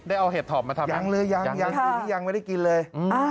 ได้เอาเห็ดทอมมาทำยังยังเลยยังยังไม่ได้กินเลย